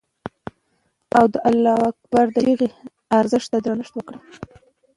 او د الله اکبر د چیغې ارزښت ته درنښت وکړي.